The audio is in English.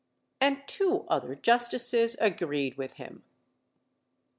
And two other justices agreed with him.